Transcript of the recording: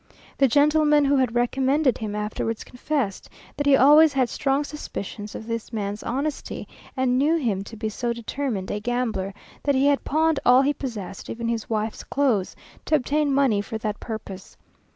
The gentleman who had recommended him, afterwards confessed that he always had strong suspicions of this man's honesty, and knew him to be so determined a gambler, that he had pawned all he possessed, even his wife's clothes, to obtain money for that purpose.